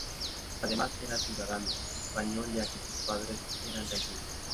Además era ciudadano español ya que sus padres eran gallegos.